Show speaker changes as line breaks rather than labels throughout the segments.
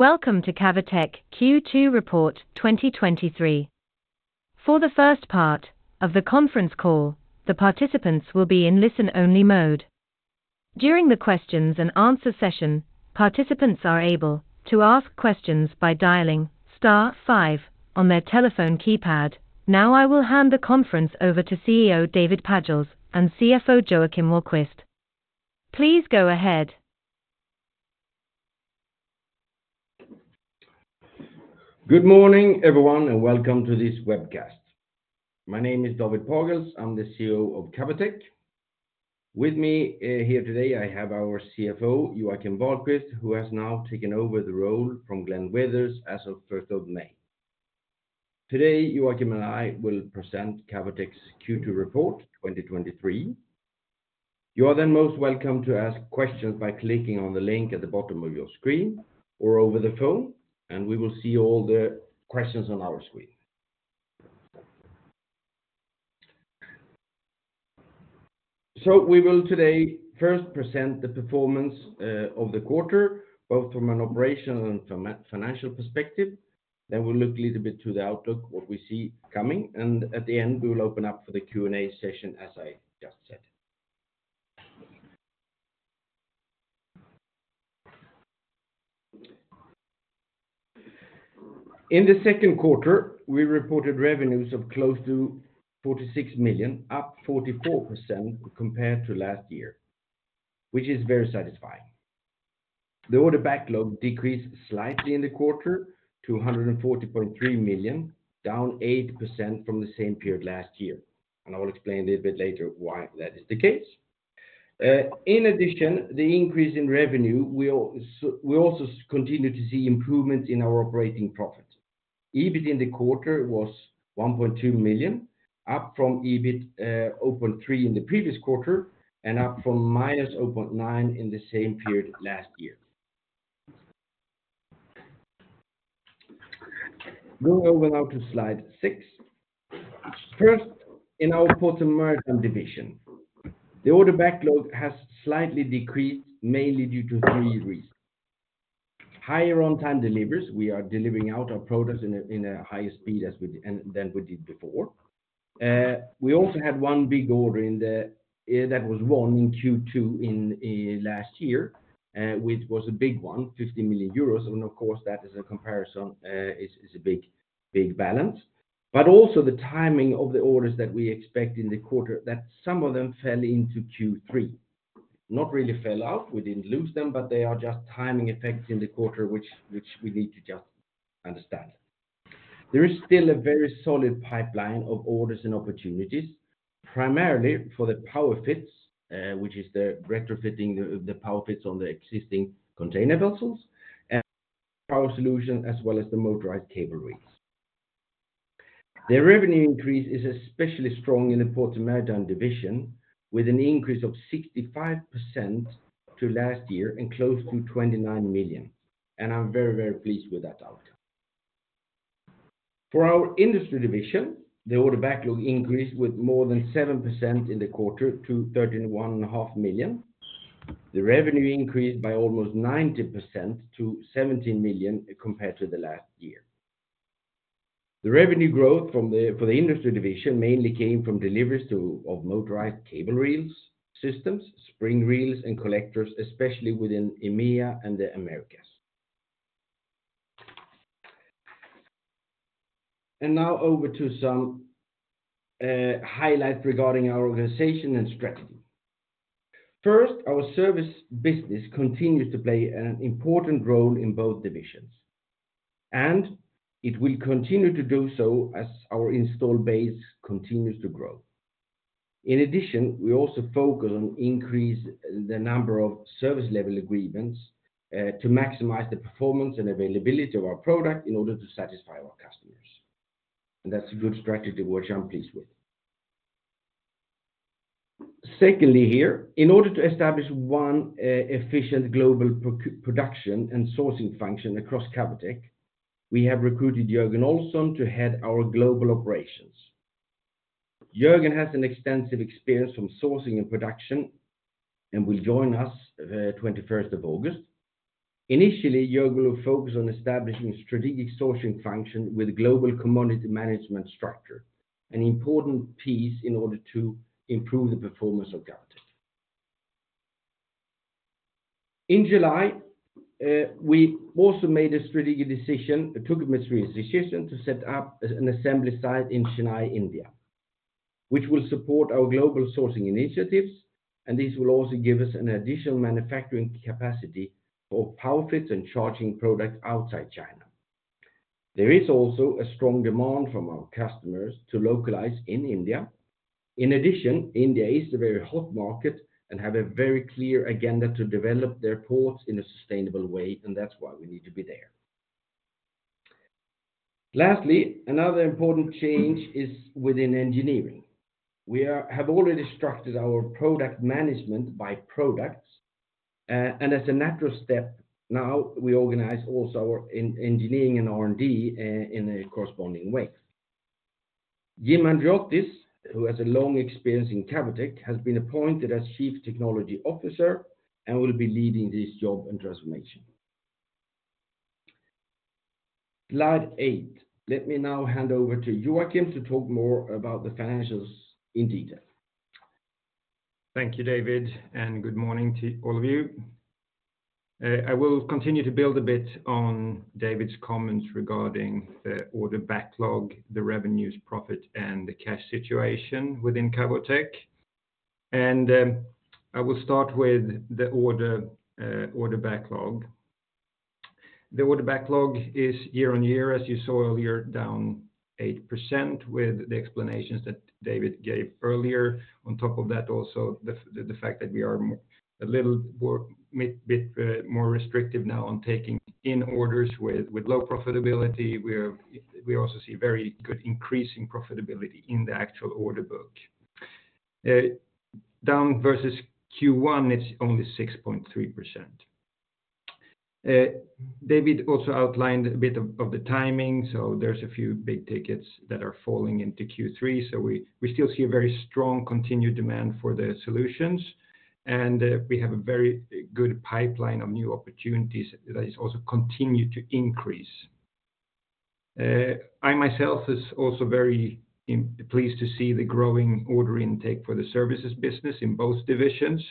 Welcome to Cavotec Q2 Report 2023. For the first part of the conference call, the participants will be in listen-only mode. During the questions and answer session, participants are able to ask questions by dialing star five on their telephone keypad. Now, I will hand the conference over to CEO, David Pagels; and CFO, Joakim Wahlquist. Please go ahead.
Good morning, everyone, welcome to this webcast. My name is David Pagels. I'm the CEO of Cavotec. With me here today, I have our CFO, Joakim Wahlquist, who has now taken over the role from Glenn Withers as of May 1st. Today, Joakim and I will present Cavotec's Q2 report, 2023. You are then most welcome to ask questions by clicking on the link at the bottom of your screen or over the phone, and we will see all the questions on our screen. We will today first present the performance of the quarter, both from an operational and from a financial perspective. We'll look a little bit to the outlook, what we see coming, and at the end, we will open up for the Q&A session, as I just said. In the second quarter, we reported revenues of close to 46 million, up 44% compared to last year, which is very satisfying. The order backlog decreased slightly in the quarter to 140.3 million, down 8% from the same period last year. I will explain a little bit later why that is the case. In addition, the increase in revenue, we also continue to see improvement in our operating profit. EBIT in the quarter was 1.2 million, up from EBIT 0.3 million in the previous quarter. Up from -0.9 million in the same period last year. Go over now to slide six. First, in our Ports & Maritime division, the order backlog has slightly decreased, mainly due to three reasons. Higher on-time deliveries, we are delivering out our products in a, in a higher speed as we, than we did before. We also had one big order in the-- that was won in Q2 in last year, which was a big one, 50 million euros, and of course, that as a comparison, is, is a big, big balance. Also the timing of the orders that we expect in the quarter, that some of them fell into Q3. Not really fell out, we didn't lose them, but they are just timing effects in the quarter, which we need to just understand. There is still a very solid pipeline of orders and opportunities, primarily for the PowerFit, which is the retrofitting the PowerFit on the existing container vessels and power solution, as well as the Motorized cable reels. The revenue increase is especially strong in the Ports & Maritime division, with an increase of 65% to last year and close to 29 million, and I'm very, very pleased with that outcome. For our Industry division, the order backlog increased with more than 7% in the quarter to 31.5 million. The revenue increased by almost 90% to 17 million compared to the last year. The revenue growth for the Industry division mainly came from deliveries of Motorised cable reels systems, Spring reels, and collectors, especially within EMEA and the Americas. Now over to some highlight regarding our organization and strategy. First, our service business continues to play an important role in both divisions, and it will continue to do so as our installed base continues to grow. In addition, we also focus on increase the number of service level agreements to maximize the performance and availability of our product in order to satisfy our customers, that's a good strategy which I'm pleased with. Secondly, here, in order to establish one efficient global production and sourcing function across Cavotec, we have recruited Jörgen Olsson to head our Global Operations. Jörgen has an extensive experience from sourcing and production and will join us August 21st. Initially, Jörgen will focus on establishing a strategic sourcing function with global commodity management structure, an important piece in order to improve the performance of Cavotec. In July, we also made a strategic decision, a strategic decision, to set up an assembly site in Chennai, India, which will support our global sourcing initiatives, and this will also give us an additional manufacturing capacity for PowerFit and charging products outside China. There is also a strong demand from our customers to localize in India. In addition, India is a very hot market and have a very clear agenda to develop their ports in a sustainable way, and that's why we need to be there. Lastly, another important change is within engineering. We have already structured our product management by products, and as a natural step, now we organize also our engineering and R&D in a corresponding way. Jim Andriotis, who has a long experience in Cavotec, has been appointed as Chief Technology Officer and will be leading this job and transformation. Slide eight. Let me now hand over to Joakim to talk more about the financials in detail.
Thank you, David, and good morning to all of you. I will continue to build a bit on David's comments regarding the order backlog, the revenues, profit, and the cash situation within Cavotec. I will start with the order backlog. The order backlog is year on year, as you saw earlier, down 8% with the explanations that David gave earlier. On top of that, also, the fact that we are more, a little more, maybe a bit more restrictive now on taking in orders with low profitability. We also see very good increase in profitability in the actual order book. Down versus Q1, it's only 6.3%. David also outlined a bit of the timing, so there's a few big tickets that are falling into Q3. We, we still see a very strong continued demand for the solutions, and we have a very good pipeline of new opportunities that is also continue to increase. I myself is also very pleased to see the growing order intake for the services business in both divisions.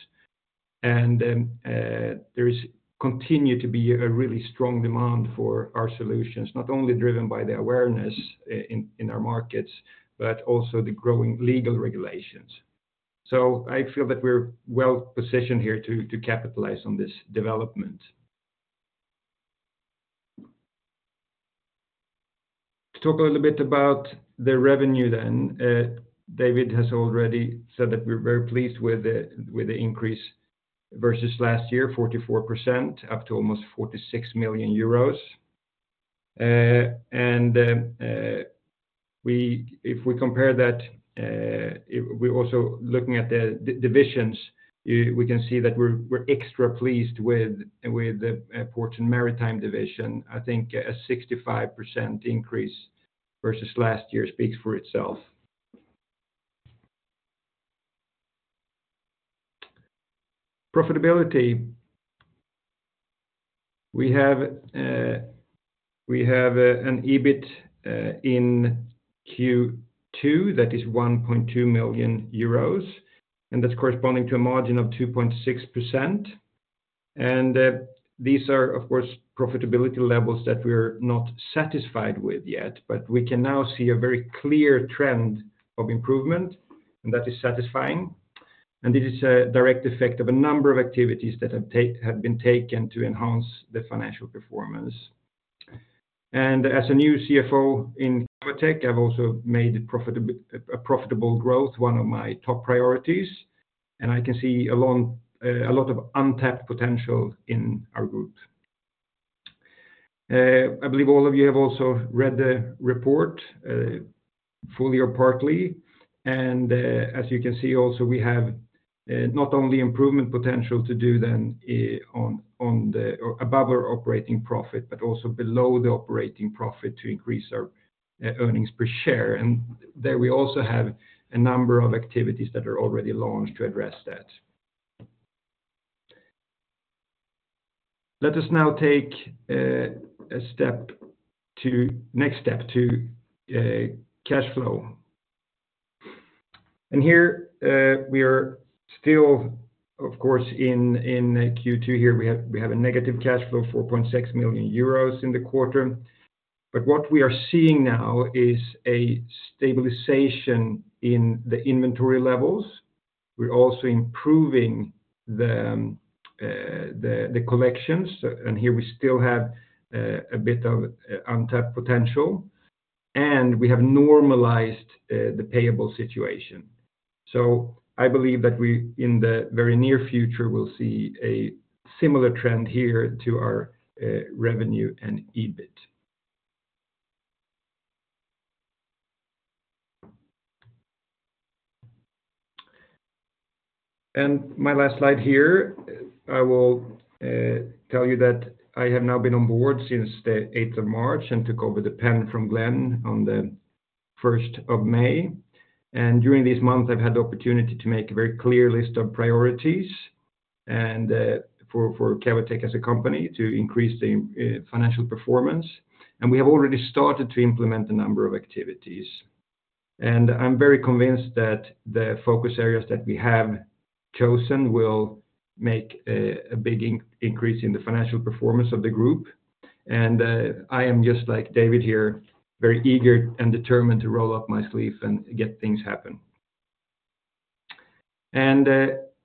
There is continue to be a really strong demand for our solutions, not only driven by the awareness in, in our markets, but also the growing legal regulations. I feel that we're well-positioned here to, to capitalize on this development. To talk a little bit about the revenue then, David has already said that we're very pleased with the, with the increase versus last year, 44%, up to almost 46 million euros. If we compare that, we're also looking at the divisions, we, we can see that we're, we're extra pleased with, with the Ports & Maritime division. I think a 65% increase versus last year speaks for itself. Profitability. We have an EBIT in Q2 that is 1.2 million euros, and that's corresponding to a margin of 2.6%. These are, of course, profitability levels that we're not satisfied with yet, but we can now see a very clear trend of improvement, and that is satisfying. This is a direct effect of a number of activities that have been taken to enhance the financial performance. As a new CFO in Cavotec, I've also made profitability, a profitable growth one of my top priorities, and I can see a lot of untapped potential in our group. I believe all of you have also read the report fully or partly. As you can see also, we have not only improvement potential to do then on, on the, or above our operating profit, but also below the operating profit to increase our earnings per share. There, we also have a number of activities that are already launched to address that. Let us now take next step to cash flow. Here, we are still, of course, in Q2 here, we have a negative cash flow, 4.6 million euros in the quarter. What we are seeing now is a stabilization in the inventory levels. We're also improving the collections, and here we still have a bit of untapped potential, and we have normalized the payable situation. I believe that we, in the very near future, will see a similar trend here to our revenue and EBIT. My last slide here, I will tell you that I have now been on board since the eighth of March and took over the pen from Glenn on the first of May. During this month, I've had the opportunity to make a very clear list of priorities and for Cavotec as a company to increase the financial performance. We have already started to implement a number of activities. I'm very convinced that the focus areas that we have chosen will make a big increase in the financial performance of the group. I am just like David here, very eager and determined to roll up my sleeve and get things happen.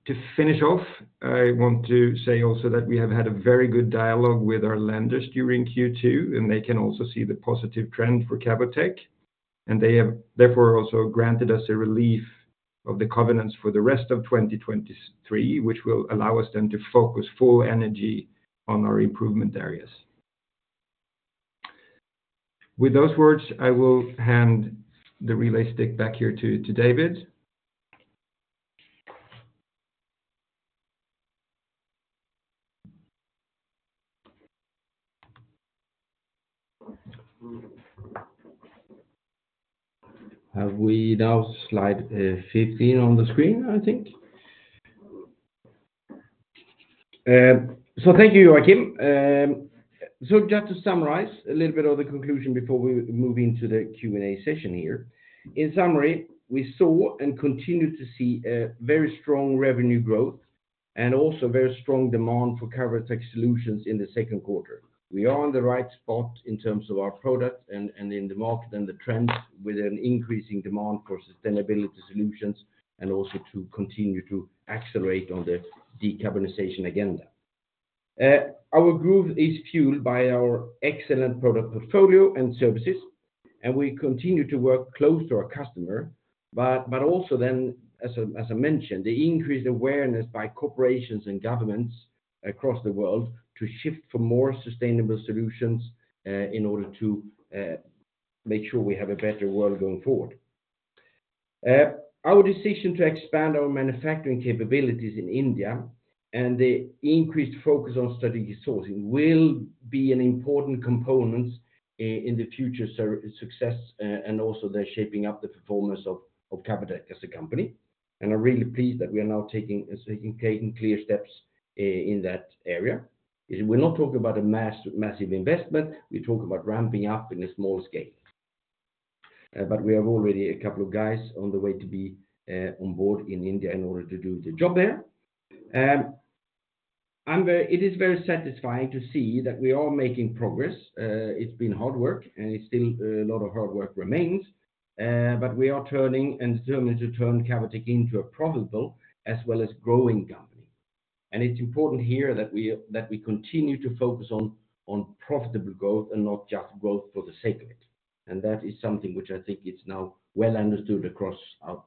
To finish off, I want to say also that we have had a very good dialogue with our lenders during Q2, and they can also see the positive trend for Cavotec, and they have therefore also granted us a relief of the covenants for the rest of 2023, which will allow us then to focus full energy on our improvement areas. With those words, I will hand the relay stick back here to David.
Have we now slide 15 on the screen, I think? Thank you, Joakim. Just to summarize a little bit of the conclusion before we move into the Q&A session here. In summary, we saw and continue to see a very strong revenue growth and also very strong demand for Cavotec solutions in the second quarter. We are in the right spot in terms of our product and, and in the market and the trends, with an increasing demand for sustainability solutions, and also to continue to accelerate on the decarbonization agenda. Our growth is fueled by our excellent product portfolio and services, and we continue to work close to our customer, but also then, as I mentioned, the increased awareness by corporations and governments across the world to shift for more sustainable solutions, in order to make sure we have a better world going forward. Our decision to expand our manufacturing capabilities in India and the increased focus on strategic sourcing will be an important component in the future success, and also the shaping up the performance of Cavotec as a company. I'm really pleased that we are now taking, taking clear steps in that area. We're not talking about a massive investment, we talk about ramping up in a small scale. We have already a couple of guys on the way to be on board in India in order to do the job there. It is very satisfying to see that we are making progress. It's been hard work, and it's still a lot of hard work remains, but we are turning and determined to turn Cavotec into a profitable as well as growing company. It's important here that we, that we continue to focus on, on profitable growth and not just growth for the sake of it. That is something which I think is now well understood across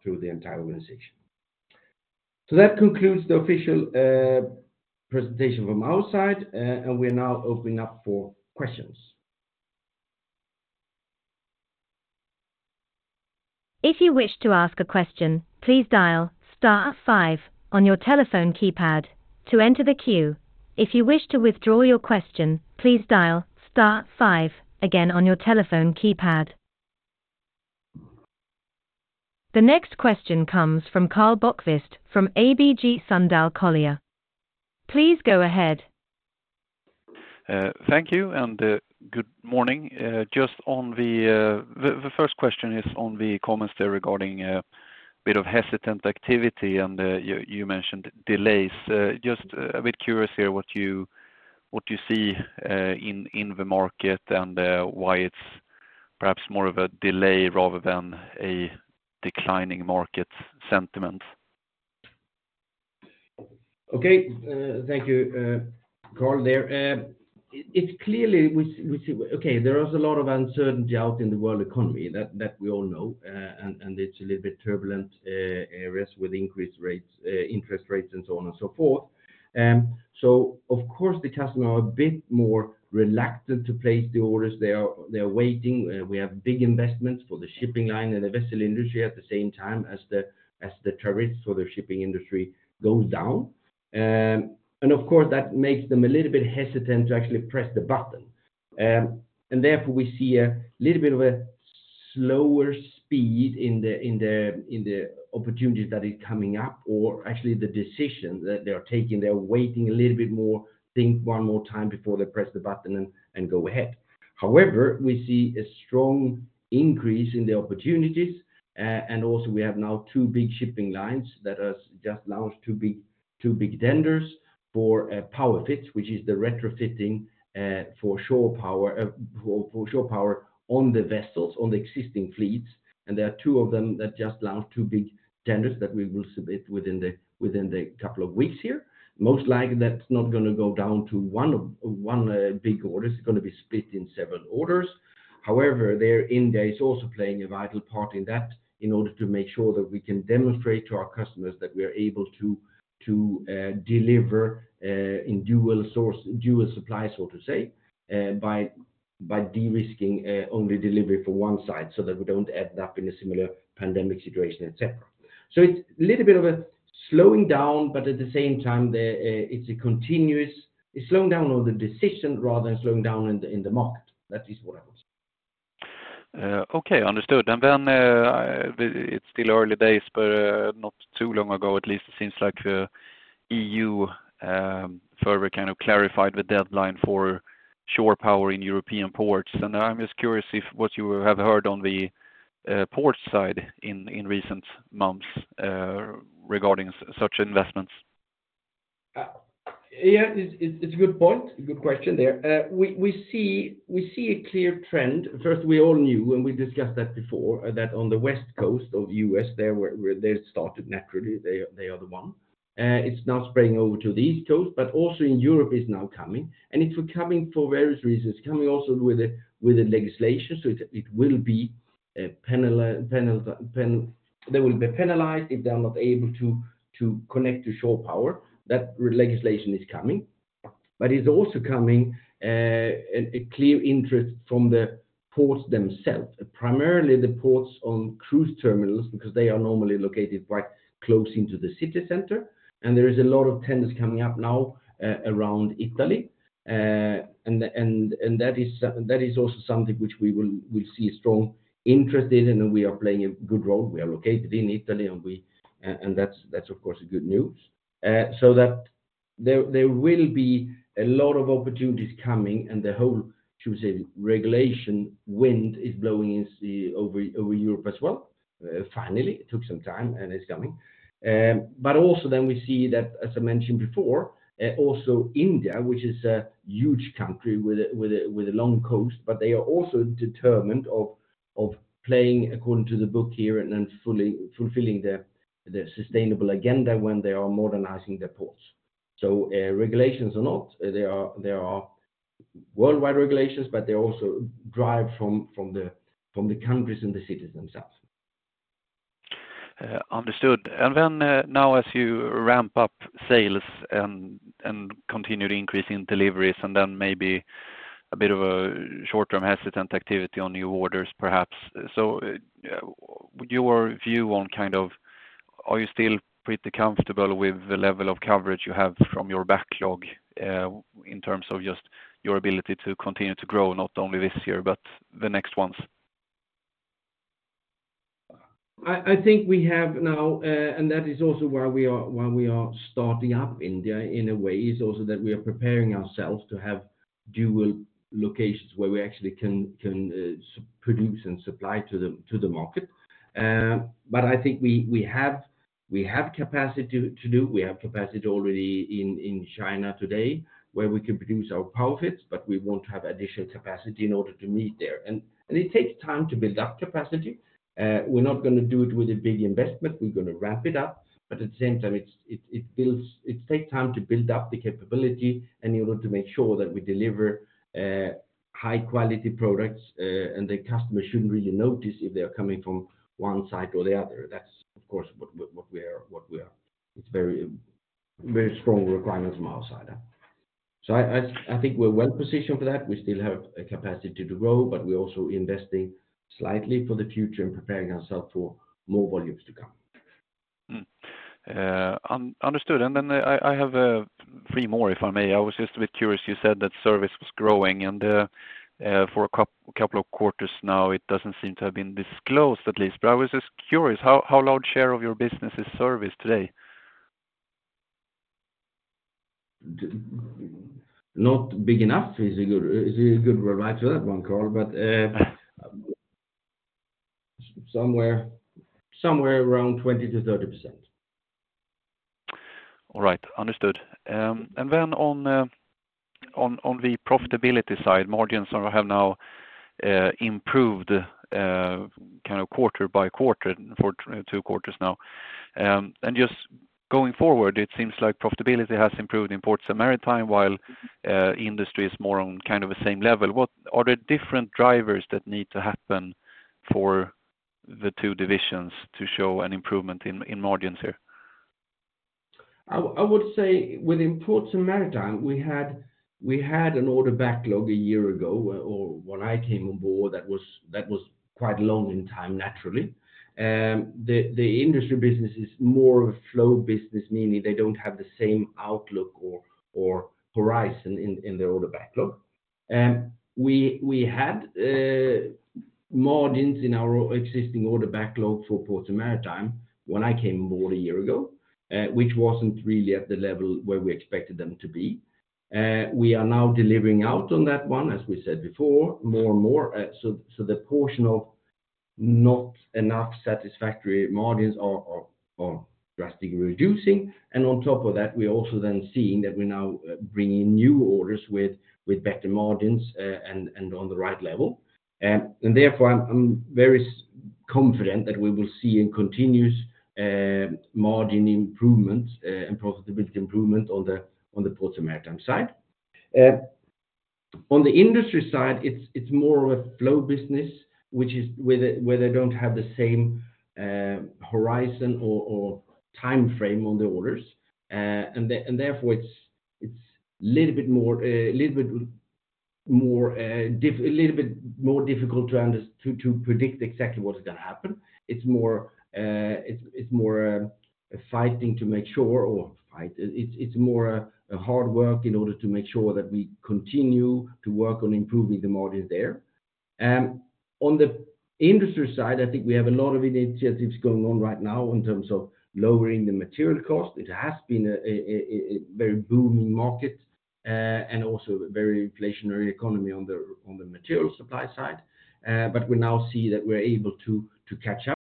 through the entire organization. That concludes the official presentation from our side, and we are now opening up for questions.
If you wish to ask a question, please dial star five on your telephone keypad to enter the queue. If you wish to withdraw your question, please dial star five again on your telephone keypad. The next question comes from Karl Bokvist from ABG Sundal Collier. Please go ahead.
Thank you and good morning. Just on the first question is on the comments there regarding a bit of hesitant activity, and you mentioned delays. Just a bit curious here, what you see in the market and why it's perhaps more of a delay rather than a declining market sentiment.
Okay, thank you, Karl, there. It's clearly we see, we see, okay, there is a lot of uncertainty out in the world economy that, that we all know, and, and it's a little bit turbulent, areas with increased rates, interest rates, and so on and so forth. Of course, the customer are a bit more reluctant to place the orders. They are, they are waiting. We have big investments for the shipping line and the vessel industry at the same time as the, as the tariffs for the shipping industry goes down. Of course, that makes them a little bit hesitant to actually press the button. Therefore, we see a little bit of a slower speed in the, in the, in the opportunities that is coming up, or actually the decision that they are taking. They are waiting a little bit more, think one more time before they press the button and go ahead. However, we see a strong increase in the opportunities, and also we have now two big shipping lines that has just launched two big, two big tenders for PowerFit, which is the retrofitting for shore power on the vessels, on the existing fleets. There are two of them that just launched two big tenders that we will submit within the couple of weeks here. Most likely, that's not going to go down to one big order. It's going to be split in several orders. However, there, India is also playing a vital part in that in order to make sure that we can demonstrate to our customers that we are able to, to deliver in dual source, dual supply, so to say, by de-risking only delivery for one side, so that we don't end up in a similar pandemic situation, et cetera. It's a little bit of a slowing down, but at the same time, the, it's a continuous. It's slowing down on the decision rather than slowing down in the, in the market. That is what I would say.
Okay, understood. Then, it's still early days, but, not too long ago, at least it seems like the EU, further kind of clarified the deadline for shore power in European ports. I'm just curious if what you have heard on the, port side in, in recent months, regarding such investments.
Yeah, it's, it's a good point. Good question there. We, we see, we see a clear trend. First, we all knew, and we discussed that before, that on the West Coast of U.S., there, where they started, naturally, they are, they are the one. It's now spreading over to the East Coast, also in Europe is now coming, and it's coming for various reasons. Coming also with a, with a legislation, so it, it will be, penal, they will be penalized if they are not able to, to connect to shore power. That legislation is coming. It's also coming, a, a clear interest from the ports themselves, primarily the ports on cruise terminals, because they are normally located quite close into the city center, and there is a lot of tenants coming up now, around Italy. The, and, and that is, that is also something which we see strong interest in, and we are playing a good role. We are located in Italy, and we, and that's, that's, of course, a good news. That there, there will be a lot of opportunities coming, and the whole, to say, regulation wind is blowing in the, over, over Europe as well. Finally, it took some time, and it's coming. Also then we see that, as I mentioned before, also India, which is a huge country with a, with a, with a long coast, but they are also determined of, of playing according to the book here and then fully fulfilling their, their sustainable agenda when they are modernizing their ports. Regulations or not, there are worldwide regulations, but they also drive from the countries and the cities themselves.
Understood. Then, now, as you ramp up sales and continue to increase in deliveries, and then maybe a bit of a short-term hesitant activity on new orders, perhaps. Your view on kind of, are you still pretty comfortable with the level of coverage you have from your backlog, in terms of just your ability to continue to grow, not only this year, but the next ones?
I think we have now, and that is also why we are, why we are starting up India, in a way, is also that we are preparing ourselves to have dual locations where we actually can, can, produce and supply to the market. I think we have capacity to do. We have capacity already in China today, where we can produce our PowerFit, but we won't have additional capacity in order to meet there. It takes time to build up capacity. We're not going to do it with a big investment. We're going to wrap it up, at the same time, it's, it, it builds, it takes time to build up the capability and in order to make sure that we deliver high-quality products, and the customer shouldn't really notice if they are coming from one site or the other. That's, of course, what, what, what we are, what we are. It's very, very strong requirements from our side. I, I, I think we're well positioned for that. We still have a capacity to grow, we're also investing slightly for the future and preparing ourselves for more volumes to come.
Understood. Then I, I have, three more, if I may. I was just a bit curious. You said that service was growing, for a couple of quarters now, it doesn't seem to have been disclosed, at least. I was just curious, how, how large share of your business is service today?
Not big enough is a good, is a good reminder to that one, Karl, but, somewhere, somewhere around 20%-30%.
All right. Understood. Then on, on, on the profitability side, margins have now improved kind of quarter by quarter for two quarters now. Just going forward, it seems like profitability has improved in Ports & Maritime, while Industry is more on kind of the same level. Are there different drivers that need to happen for the two divisions to show an improvement in, in margins here?
I, I would say within Ports & Maritime, we had, we had an order backlog a year ago, or when I came on board, that was, that was quite long in time, naturally. The Industry business is more of a flow business, meaning they don't have the same outlook or, or horizon in, in the order backlog. We, we had margins in our existing order backlog for Ports & Maritime when I came on board a year ago, which wasn't really at the level where we expected them to be. We are now delivering out on that one, as we said before, more and more. So the portion of not enough satisfactory margins are drastically reducing. On top of that, we're also then seeing that we're now bringing new orders with better margins and on the right level. Therefore, I'm very confident that we will see a continuous margin improvement and profitability improvement on the Ports & Maritime side. On the Industry side, it's more of a flow business, which is where they don't have the same horizon or time frame on the orders. Therefore, it's a little bit more difficult to predict exactly what is going to happen. It's more a fighting to make sure or fight. It's more a hard work in order to make sure that we continue to work on improving the margin there. On the Industry side, I think we have a lot of initiatives going on right now in terms of lowering the material cost. It has been a very booming market, and also a very inflationary economy on the material supply side. We now see that we're able to catch up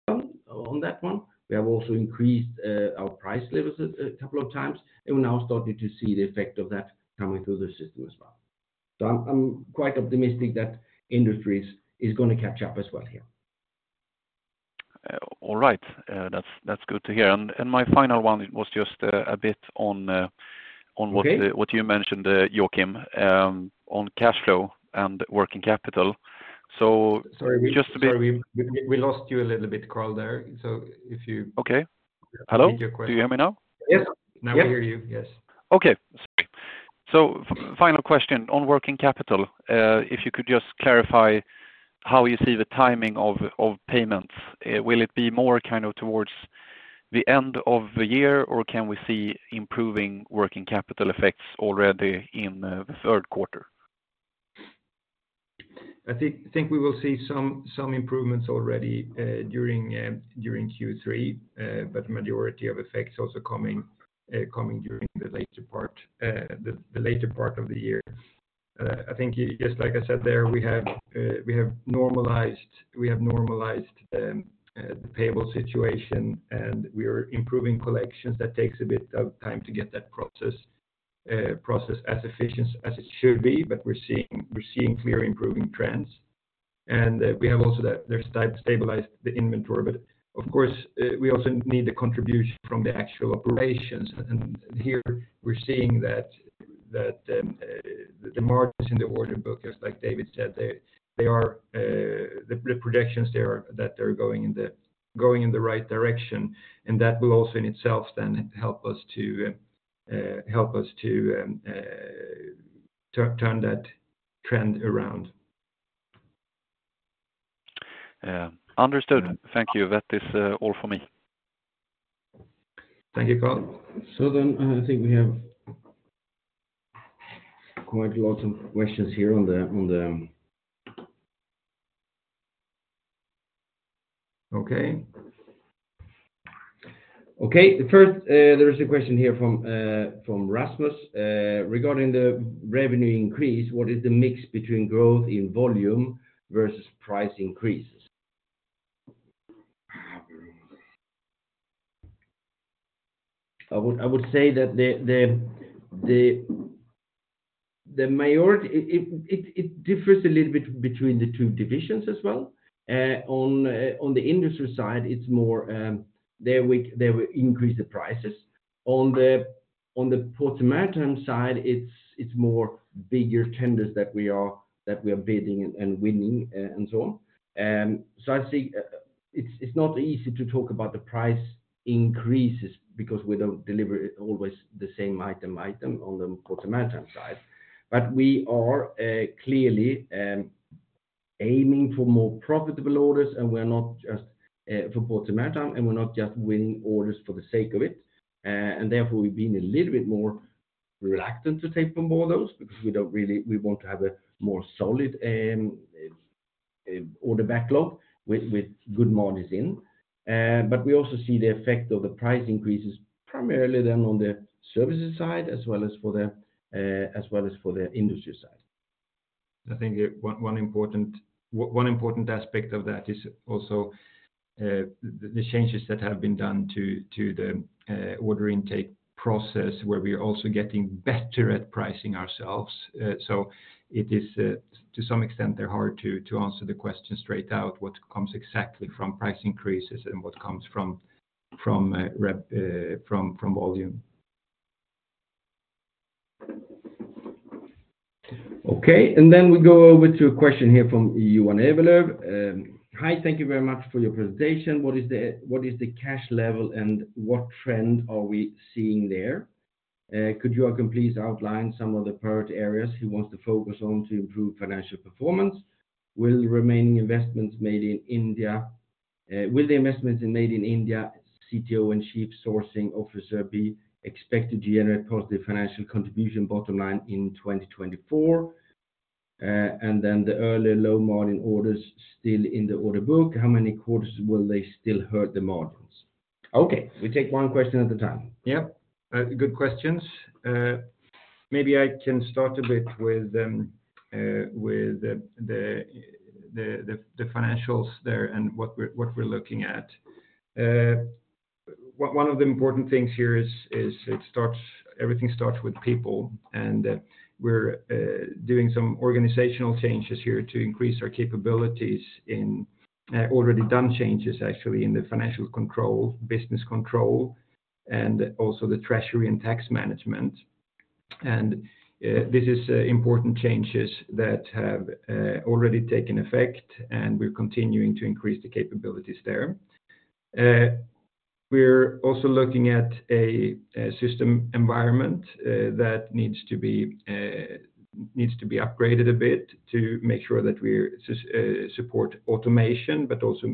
on that one. We have also increased our price levels a couple of times, and we're now starting to see the effect of that coming through the system as well. I'm quite optimistic that Industry is going to catch up as well here.
All right. That's, that's good to hear. My final one was just, a bit on, on what.
Okay.
What you mentioned, Joakim, on cash flow and working capital. Sorry.
We, we lost you a little bit, Karl, there.
Okay. Hello? Do you hear me now?
Yep. Now we hear you. Yes.
Okay. Final question on working capital, if you could just clarify how you see the timing of, of payments, will it be more kind of towards the end of the year, or can we see improving working capital effects already in the third quarter?
I think we will see some improvements already during Q3. Majority of effects also coming during the later part, the later part of the year. I think just like I said, there, we have normalized the payable situation, and we are improving collections. That takes a bit of time to get that process as efficient as it should be. We're seeing clear improving trends. We have also stabilized the inventory, but of course, we also need the contribution from the actual operations, and here we're seeing that, that the margins in the order book, just like David said, they, they are, the projections there are that they're going in the, going in the right direction, and that will also in itself then help us to, help us to turn, turn that trend around.
Understood. Thank you. That is all for me.
Thank you, Karl. I think we have quite a lot of questions here. Okay. Okay, the first, there is a question here from Rasmus, "Regarding the revenue increase, what is the mix between growth in volume versus price increases?
I would, I would say that the, the, the majority, it, it, it differs a little bit between the two divisions as well. On, on the Industry side, it's more, there we, there we increase the prices. On the, on the Ports & Maritime side, it's, it's more bigger tenders that we are, that we are bidding and, and winning, and so on. So I think, it's, it's not easy to talk about the price increases because we don't deliver always the same item, item on the Ports & Maritime side. We are, clearly, aiming for more profitable orders, and we're not just, for Ports & Maritime, and we're not just winning orders for the sake of it. Therefore, we've been a little bit more reluctant to take on more of those because we don't we want to have a more solid order backlog with, with good margins in. We also see the effect of the price increases primarily then on the services side, as well as for the, as well as for the Industry side. I think one, one important, one important aspect of that is also, the changes that have been done to, to the order intake process, where we are also getting better at pricing ourselves. It is, to some extent, they're hard to, to answer the question straight out, what comes exactly from price increases and what comes from, from, from, from volume.
Then we go over to a question here from Johan Ewaldh. "Hi, thank you very much for your presentation. What is the, what is the cash level, and what trend are we seeing there? Could you please outline some of the priority areas he wants to focus on to improve financial performance? Will the remaining investments made in India, CTO and Chief Sourcing Officer, be expected to generate positive financial contribution bottom line in 2024? Then the earlier low margin orders still in the order book, how many quarters will they still hurt the margins?" Okay, we take one question at a time.
Yep, good questions. Maybe I can start a bit with the financials there and what we're, what we're looking at. One, one of the important things here is, is it starts, everything starts with people, and we're doing some organizational changes here to increase our capabilities in already done changes, actually, in the financial control, business control, and also the treasury and tax management. This is important changes that have already taken effect, and we're continuing to increase the capabilities there. We're also looking at a system environment that needs to be needs to be upgraded a bit to make sure that we're support automation, but also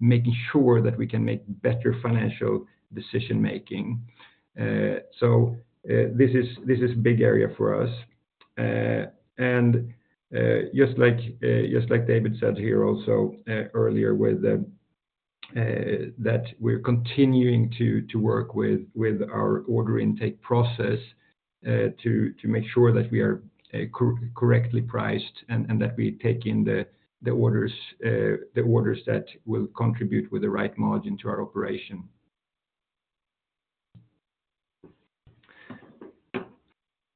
making sure that we can make better financial decision making. This is, this is a big area for us. David said here also, earlier with the that we're continuing to, to work with, with our order intake process, to, to make sure that we are correctly priced and that we take in the orders, the orders that will contribute with the right margin to our operation.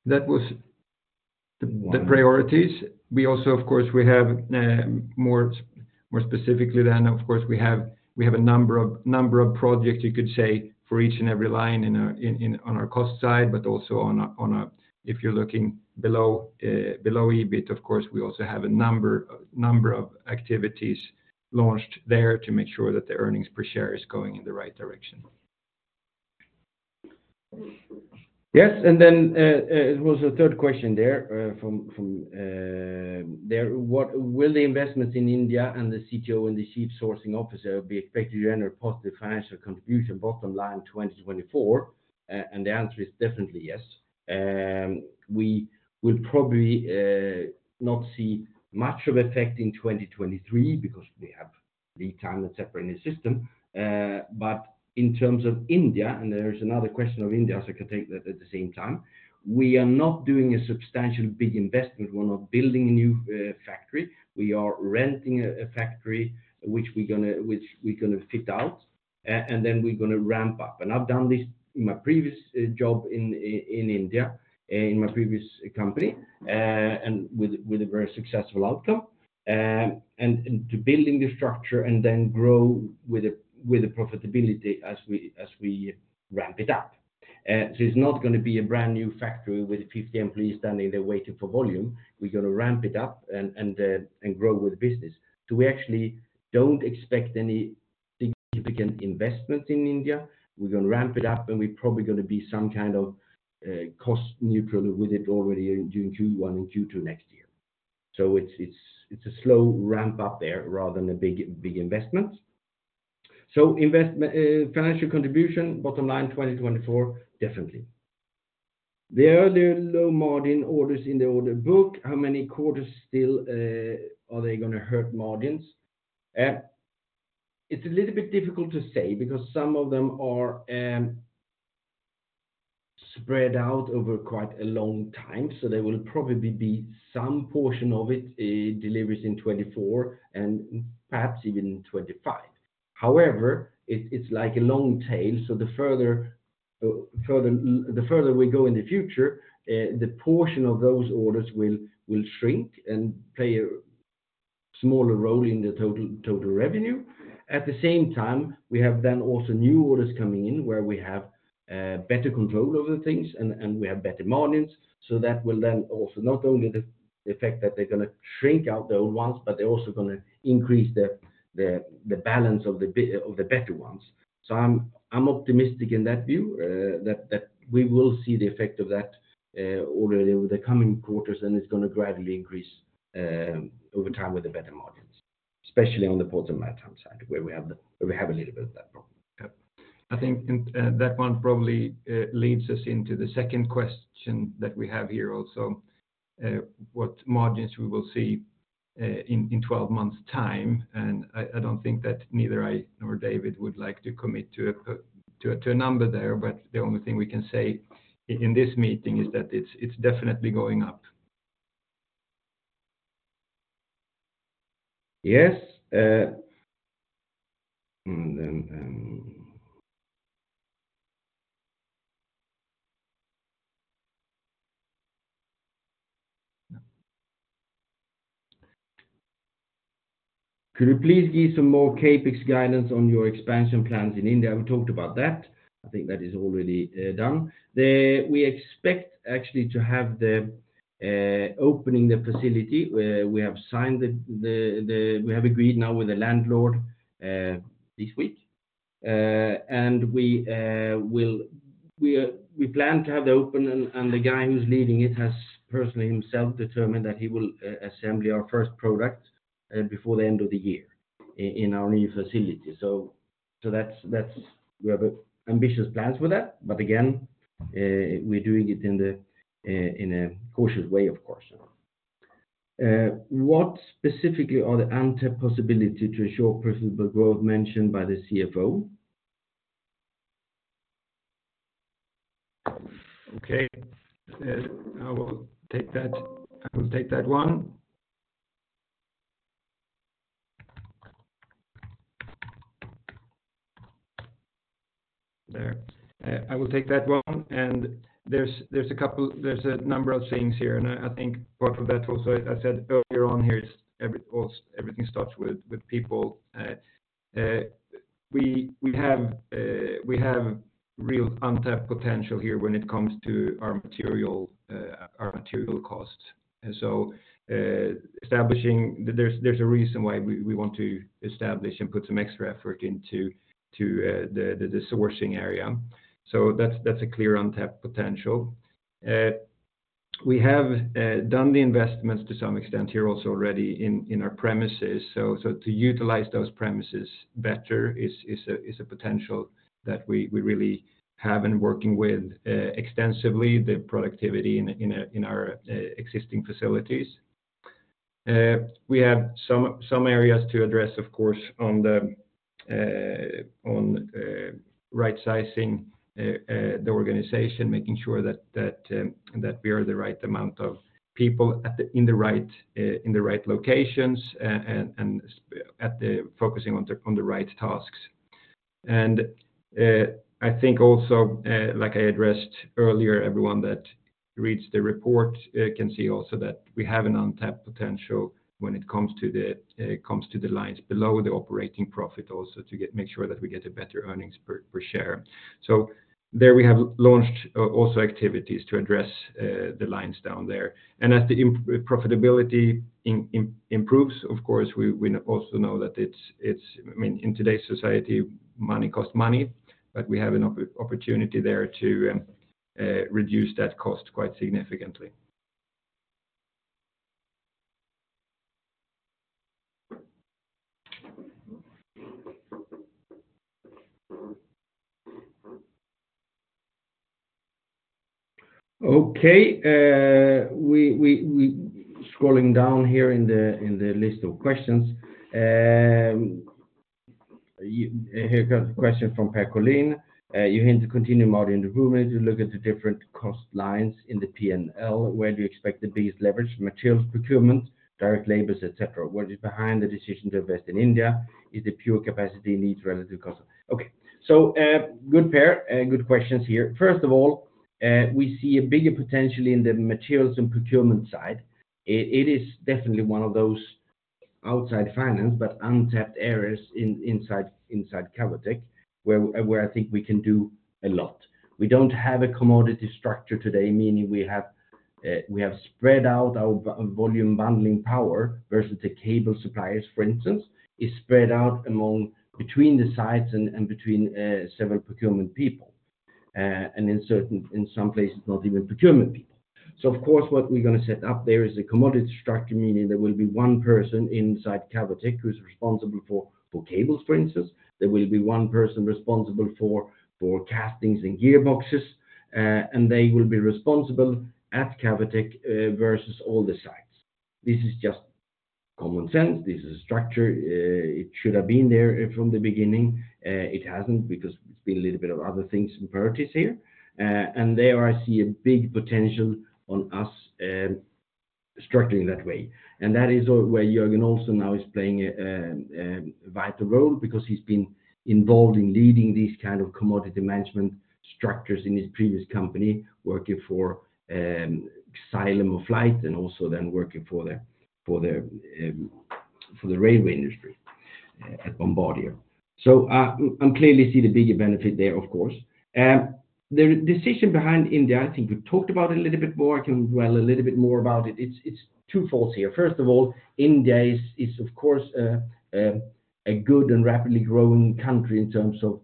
That was the priorities. We also, of course, we have more specifically then, of course, we have, we have a number of, number of projects, you could say, for each and every line in our, in, in, on our cost side, but also on a, on a, if you're looking below EBIT, of course, we also have a number, number of activities launched there to make sure that the earnings per share is going in the right direction.
Yes. Then, there was a third question there, from there: What will the investments in India and the CTO and the Chief Sourcing Officer be expected to generate a positive financial contribution, bottom line, 2024? The answer is definitely yes. We would probably not see much of effect in 2023 because we have lead time, et cetera, in the system. In terms of India, and there is another question of India, so I can take that at the same time, we are not doing a substantial big investment. We're not building a new factory. We are renting a factory, which we're gonna fit out, and then we're gonna ramp up. I've done this in my previous job in India, in my previous company, and with a very successful outcome. To building the structure and then grow with a profitability as we ramp it up. It's not going to be a brand-new factory with 50 employees standing there waiting for volume. We're gonna ramp it up and grow with business. We actually don't expect any significant investment in India. We're gonna ramp it up, and we're probably gonna be some kind of cost neutral with it already during Q1 and Q2 next year. It's a slow ramp-up there rather than a big, big investment. Financial contribution, bottom line, 2024, definitely. There are the low-margin orders in the order book. How many quarters still are they gonna hurt margins? It's a little bit difficult to say because some of them are spread out over quite a long time, so there will probably be some portion of it, deliveries in 2024 and perhaps even in 2025. However, it's, it's like a long tail, so the further, the further we go in the future, the portion of those orders will, will shrink and play a smaller role in the total, total revenue. At the same time, we have then also new orders coming in where we have better control over things, and, and we have better margins, so that will then also not only the, the effect that they're gonna shrink out the old ones, but they're also gonna increase the, the, the balance of the better ones. I'm optimistic in that view, that we will see the effect of that, already over the coming quarters, and it's gonna gradually increase over time with the better margins, especially on the Ports & Maritime side, where we have a little bit of that problem.
Yeah. I think, that one probably, leads us into the second question that we have here also, what margins we will see, in 12 months' time, and I, I don't think that neither I nor David would like to commit to a number there, but the only thing we can say in this meeting is that it's, it's definitely going up.
Yes, and then, Could you please give some more CapEx guidance on your expansion plans in India? We talked about that. I think that is already done. We expect actually to have the opening the facility, we have signed the. We have agreed now with the landlord this week, and we will, we plan to have the open, and the guy who's leading it has personally himself determined that he will assembly our first product before the end of the year in our new facility. That's, we have ambitious plans for that, but again, we're doing it in a cautious way, of course. What specifically are the untapped possibility to ensure profitable growth mentioned by the CFO?
Okay, I will take that. I will take that one. There. I will take that one, and there's a number of things here, and I, I think part of that also, I said earlier on here, is everything starts with people. We have real untapped potential here when it comes to our material costs. Establishing, there's a reason why we want to establish and put some extra effort into the sourcing area. That's a clear untapped potential. We have done the investments to some extent here also already in our premises. To utilize those premises better is, is a, is a potential that we, we really have been working with extensively, the productivity in our existing facilities. We have some, some areas to address, of course, on the on right-sizing the organization, making sure that, that, that we are the right amount of people at the, in the right in the right locations and, and, and at the focusing on the, on the right tasks. I think also, like I addressed earlier, everyone that reads the report can see also that we have an untapped potential when it comes to the, comes to the lines below the operating profit, also to make sure that we get a better earnings per, per share. There we have launched also activities to address the lines down there. As profitability improves, of course, we also know that it's, it's, I mean, in today's society, money costs money, but we have an opportunity there to reduce that cost quite significantly. Okay, we, we, we scrolling down here in the, in the list of questions. Here comes a question from Per Collin.
You hint to continue margin improvement as you look at the different cost lines in the P&L, where do you expect the biggest leverage? Materials, procurement, direct labors, et cetera. What is behind the decision to invest in India? Is the pure capacity needs relative to cost? Okay, good, Per, good questions here. First of all, we see a bigger potentially in the materials and procurement side. It, it is definitely one of those outside finance, but untapped areas inside Cavotec, where I think we can do a lot. We don't have a commodity structure today, meaning we have, we have spread out our volume bundling power versus the cable suppliers, for instance, is spread out among between the sites and between several procurement people, and in certain, in some places, not even procurement people. Of course, what we're going to set up there is a commodity structure, meaning there will be one person inside Cavotec who is responsible for, for cables, for instance, there will be one person responsible for, for castings and gearboxes, and they will be responsible at Cavotec, versus all the sites. This is just common sense. This is a structure, it should have been there from the beginning. It hasn't because it's been a little bit of other things and priorities here. There I see a big potential on us, structuring that way. That is where Jörgen also now is playing a vital role because he's been involved in leading these kind of commodity management structures in his previous company, working for Xylem or Flygt, and also then working for the, for the, for the railway industry at Bombardier. I clearly see the bigger benefit there, of course. The decision behind India, I think we talked about it a little bit more. I can dwell a little bit more about it. It's, it's twofold here. First of all, India is, is, of course, a good and rapidly growing country in terms of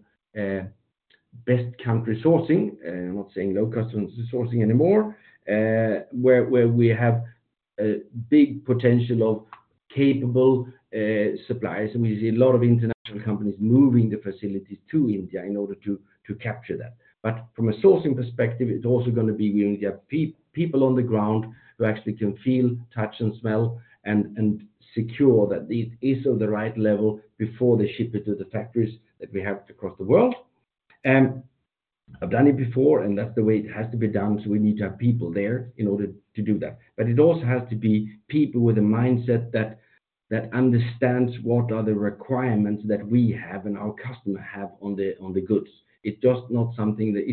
best country sourcing. I'm not saying no customers sourcing anymore, where, where we have a big potential of capable suppliers, and we see a lot of international companies moving the facilities to India in order to, to capture that. From a sourcing perspective, it's also going to be we need to have people on the ground who actually can feel, touch, and smell and secure that it is on the right level before they ship it to the factories that we have across the world. I've done it before, and that's the way it has to be done, so we need to have people there in order to do that. It also has to be people with a mindset that understands what are the requirements that we have and our customer have on the goods. It's just not something that.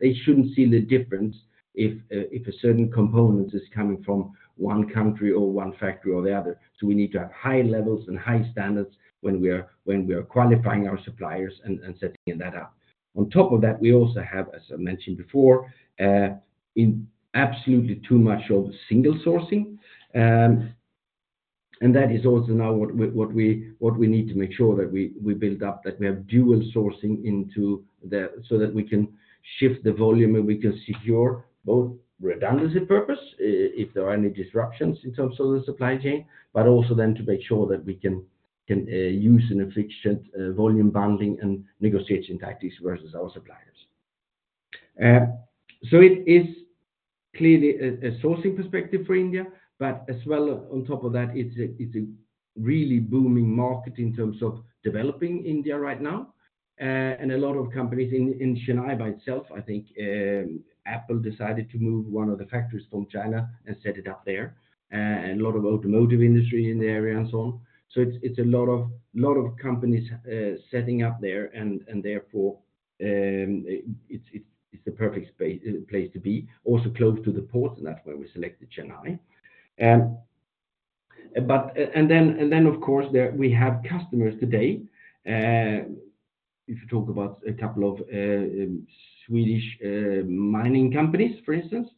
They shouldn't see the difference if a certain component is coming from one country or one factory or the other. We need to have high levels and high standards when we are, when we are qualifying our suppliers and, and setting that up. On top of that, we also have, as I mentioned before, in absolutely too much of single sourcing. That is also now what we need to make sure that we, we build up, that we have dual sourcing so that we can shift the volume and we can secure both redundancy purpose, if there are any disruptions in terms of the supply chain, but also then to make sure that we can use an efficient volume bundling and negotiation tactics versus our suppliers. It is clearly a, a sourcing perspective for India, but as well, on top of that, it's a, it's a really booming market in terms of developing India right now. A lot of companies in, in Chennai by itself, I think, Apple decided to move one of the factories from China and set it up there, and a lot of automotive industry in the area and so on. It's, it's a lot of, lot of companies, setting up there, and, and therefore, it's, it's, it's the perfect space, place to be, also close to the port, and that's why we selected Chennai. And then, and then, of course, there we have customers today, if you talk about a couple of Swedish mining companies, for instance,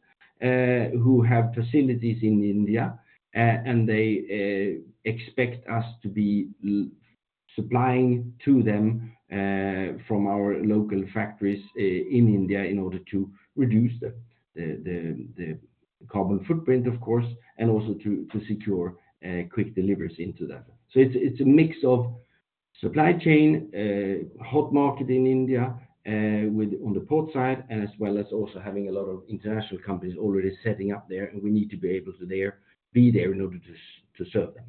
who have facilities in India, and they expect us to be supplying to them from our local factories in India in order to reduce the carbon footprint, of course, and also to secure quick deliveries into that. It's, it's a mix of supply chain, hot market in India, with on the port side, as well as also having a lot of international companies already setting up there, and we need to be able to be there in order to serve them.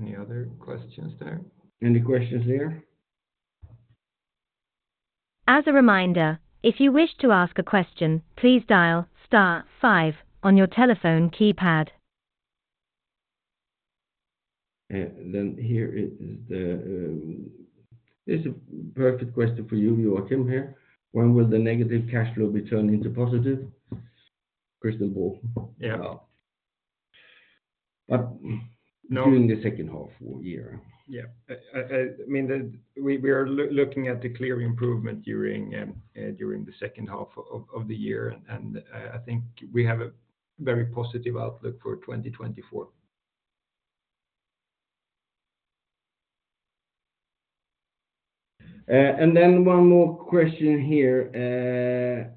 Okay.
Any other questions there?
Any questions there?
As a reminder, if you wish to ask a question, please dial star five on your telephone keypad.
Here is the, this is a perfect question for you, Joakim, here. When will the negative cash flow be turned into positive? Crystal ball.
Yeah.
during the second half year.
Yeah. I mean, we are looking at the clear improvement during, during the second half of the year, and I think we have a very positive outlook for 2024.
One more question here.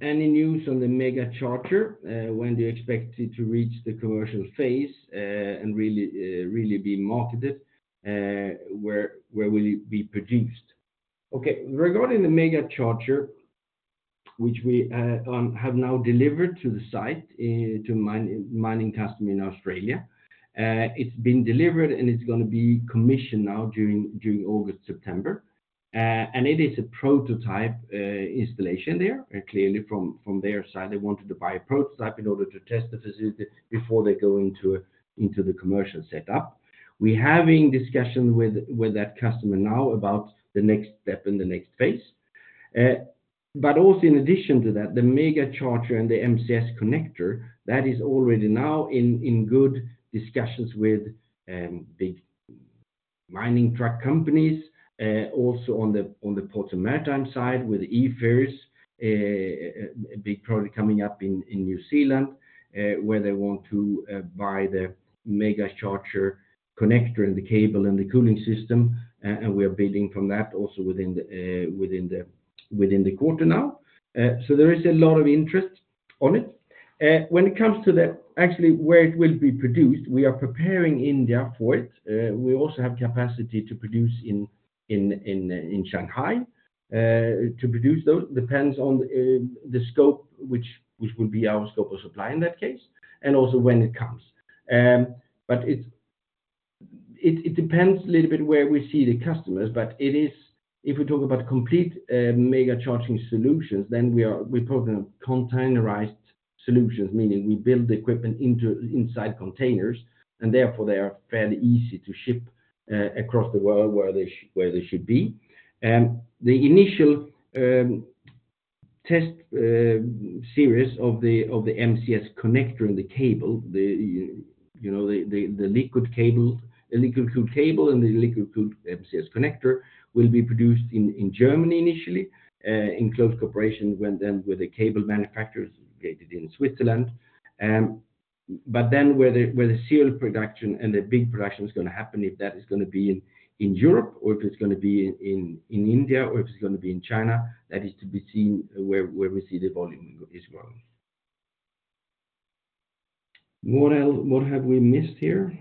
Any news on the MegaCharger, when do you expect it to reach the commercial phase, and really, really being marketed? Where will it be produced? Okay, regarding the MegaCharger, which we have now delivered to the site, to mining customer in Australia, it's been delivered, and it's going to be commissioned now during August, September. It is a prototype installation there. Clearly, from their side, they wanted to buy a prototype in order to test the facility before they go into the commercial setup. We're having discussions with that customer now about the next step and the next phase. But also in addition to that, the MegaCharger and the MCS Connector, that is already now in good discussions with big mining truck companies, also on the Ports & Maritime side, with e-ferries, a big product coming up in New Zealand, where they want to buy the MegaCharger connector, and the cable, and the cooling system. And we are building from that also within the within the within the quarter now. So there is a lot of interest on it. When it comes to the actually, where it will be produced, we are preparing India for it. We also have capacity to produce in Shanghai to produce those. Depends on the scope, which will be our scope of supply in that case, and also when it comes. It's, it depends a little bit where we see the customers, but it is, if we talk about complete mega charging solutions, then we're talking about containerized solutions, meaning we build the equipment into, inside containers, and therefore they are fairly easy to ship across the world where they should be. The initial test series of the MCS connector and the cable, you know, the liquid cable, the liquid-cooled cable and the liquid-cooled MCS connector will be produced in Germany initially, in close cooperation with the cable manufacturers located in Switzerland. Where the, where the seal production and the big production is going to happen, if that is going to be in, in Europe, or if it's going to be in, in India, or if it's going to be in China, that is to be seen where, where we see the volume is growing. What have we missed here?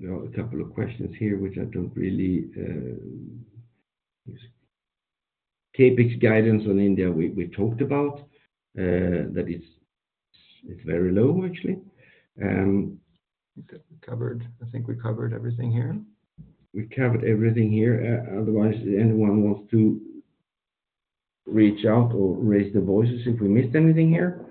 There are a couple of questions here, which I don't really, CapEx guidance on India, we, we talked about, that is, it's very low, actually.
We covered, I think we covered everything here.
We covered everything here. Otherwise, anyone wants to reach out or raise their voices if we missed anything here?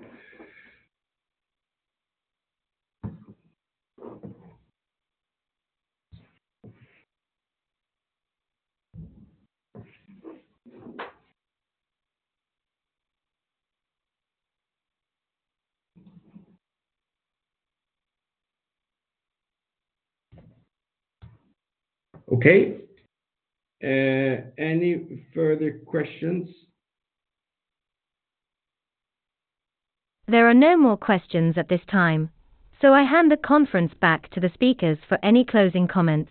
Okay, any further questions?
There are no more questions at this time, so I hand the conference back to the speakers for any closing comments.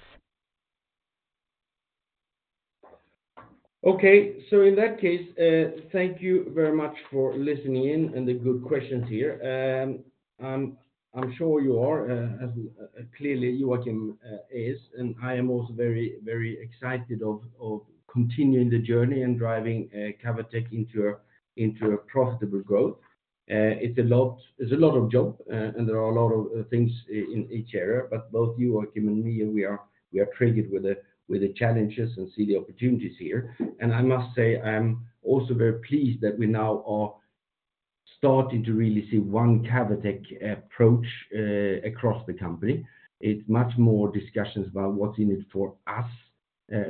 In that case, thank you very much for listening in and the good questions here. I'm, I'm sure you are as clearly Joakim is, and I am also very, very excited of continuing the journey and driving Cavotec into a profitable growth. It's a lot, it's a lot of job, and there are a lot of things in each area, but both Joakim and me, we are, we are triggered with the challenges and see the opportunities here. I must say, I'm also very pleased that we now are starting to really see one Cavotec approach across the company. It's much more discussions about what's in it for us,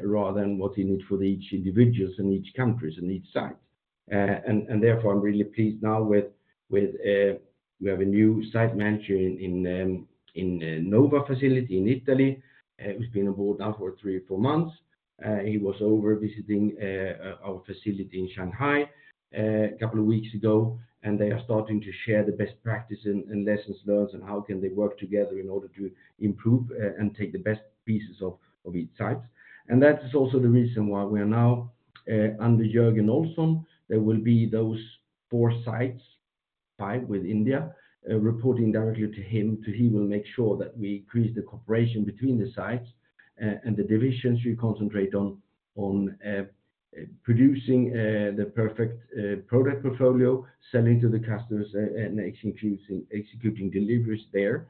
rather than what's in it for the each individuals in each countries and each site. Therefore, I'm really pleased now with, with, we have a new site manager in Nova facility in Italy, who's been on board now for three or four months. He was over visiting our facility in Shanghai a couple of weeks ago, and they are starting to share the best practice and, and lessons learned and how can they work together in order to improve and take the best pieces of each site. That is also the reason why we are now, under Jörgen Olsson, there will be those four sites, five with India, reporting directly to him. He will make sure that we increase the cooperation between the sites, and the divisions we concentrate on, on, producing the perfect product portfolio, selling to the customers, and executing, executing deliveries there,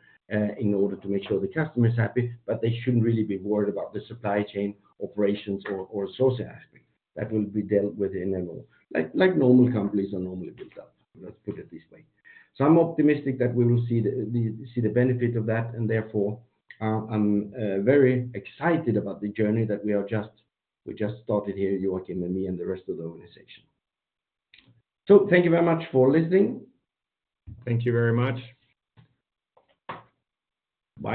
in order to make sure the customer is happy, but they shouldn't really be worried about the supply chain operations or source aspect. That will be dealt with in MO, like, like normal companies are normally built up, let's put it this way. I'm optimistic that we will see the, see the benefit of that, and therefore, I'm very excited about the journey that we are just, we just started here, Joakim, and me, and the rest of the organization. Thank you very much for listening.
Thank you very much.